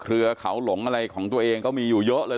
เรือเขาหลงอะไรของตัวเองก็มีอยู่เยอะเลย